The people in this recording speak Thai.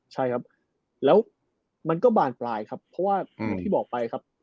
ใช่ครับแล้วมันก็บานปลายครับเพราะว่าอย่างที่บอกไปครับ